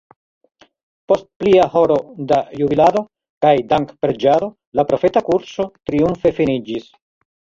Post plia horo da jubilado kaj dankpreĝado la profeta kurso triumfe finiĝis.